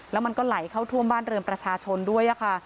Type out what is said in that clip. แล้วมันก็ไหลเข้าท่วมบ้านเรือนประชาชนด้วยค่ะ